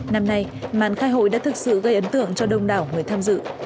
năm nay màn khai hội đã thực sự gây ấn tượng cho đông đảo người tham dự